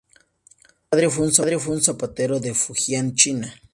Su padre fue un zapatero de Fujian, China.